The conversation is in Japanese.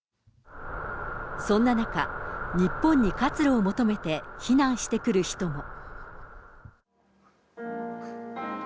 そんな中、日本に活路を求めて、避難してくる人も。